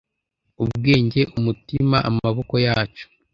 ubwenge umutima, amaboko yacu